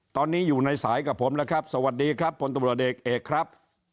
ตอนนี้อยู่ในสายกับผมแล้วครับสวัสดีครับพลตำรวจเอกเอกครับ